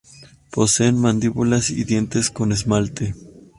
Poseen mandíbulas y dientes con esmalte.